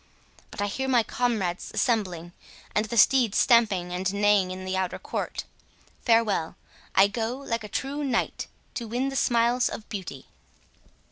—But I hear my comrades assembling, and the steeds stamping and neighing in the outer court.—Farewell.—I go, like a true knight, to win the smiles of beauty."